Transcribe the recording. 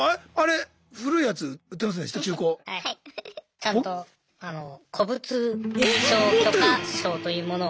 ちゃんと古物商許可証というものを。